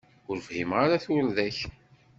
Ur fhimen ara turda-k.